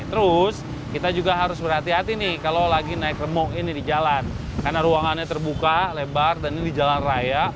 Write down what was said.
terus kita juga harus berhati hati nih kalau lagi naik remok ini di jalan karena ruangannya terbuka lebar dan ini di jalan raya